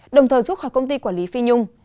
đồng thời giúp hỏi công ty quản lý phi nhung